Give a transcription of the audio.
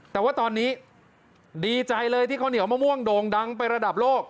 แต่ว่าตอนนี้ดีใจเลยที่ข้าวเหนียวมะม่วงโด่งดังไประดับโลก